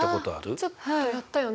ちょっとやったよね。